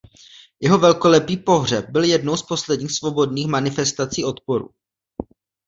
Jeho velkolepý pohřeb byl jednou z posledních svobodných manifestací odporu.